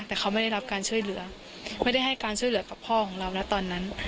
แต่เขาไม่ได้รับการช่วยเหลือไม่ได้ให้การช่วยเหลือกับพ่อของเรานะตอนนั้น